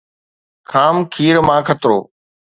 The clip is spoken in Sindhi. خام کير مان خطرو